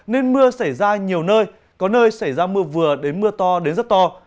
nên mưa xảy ra nhiều nơi có nơi xảy ra mưa vừa đến mưa to đến rất to